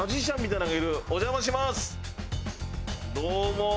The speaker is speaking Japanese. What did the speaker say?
どうも。